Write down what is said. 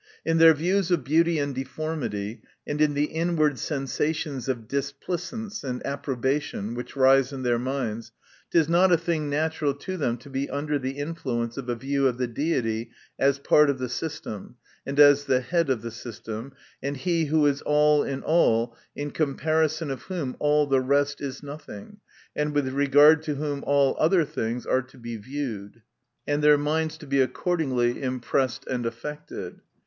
In their views of beauty and deformity, and in the inward sensations of displicence and approba tion which rise in their minds, it is not a thing natural to them to be under the influence of a view of the Deity, as part of the system, and as the head of the system, and he who is all in all, in comparison of whom all the rest is nothing, and with regard to whom all other things are to be viewed, and their minds to , be accordingly impressed and affected.